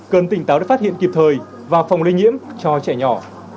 cần tỉnh táo để phát hiện kịp thời và phòng lây nhiễm cho trẻ nhỏ